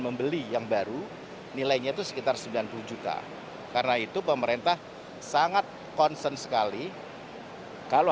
membeli yang baru nilainya itu sekitar sembilan puluh juta karena itu pemerintah sangat concern sekali kalau